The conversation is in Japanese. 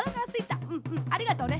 うんうんありがとうね。